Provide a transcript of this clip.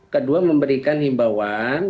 kedua memberikan himbauan